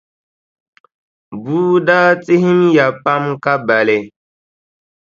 Bua daa tihimya pam ka bali.